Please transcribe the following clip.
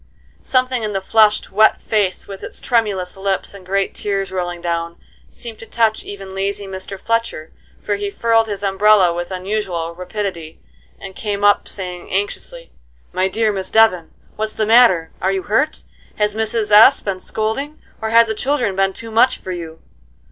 Something in the flushed, wet face, with its tremulous lips and great tears rolling down, seemed to touch even lazy Mr. Fletcher, for he furled his umbrella with unusual rapidity, and came up, saying, anxiously: "My dear Miss Devon, what's the matter? Are you hurt? Has Mrs. S. been scolding? Or have the children been too much for you?"